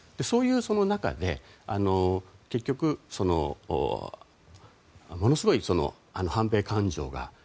そういう中で結局、ものすごい反米感情が。